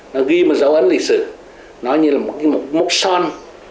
nó ghi một dấu ấn lịch sử nó như là một mốc son